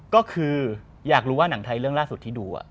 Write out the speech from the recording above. ก็คือถ้าอยากรู้ว่าหนังไทยเล่นเล่นล่าสุดที่ดู